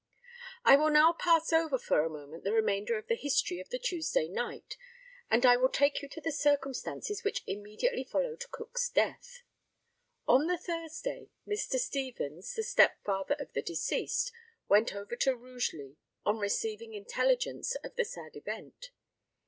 I will now pass over for a moment the remainder of the history of the Tuesday night, and I will take you to the circumstances which immediately followed Cook's death. On the Thursday, Mr. Stevens, the stepfather of the deceased, went over to Rugeley, on receiving intelligence of the sad event.